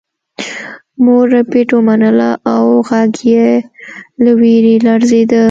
مور ربیټ ومنله او غږ یې له ویرې لړزیده